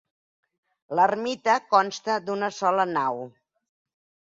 L'ermita consta d'una sola nau.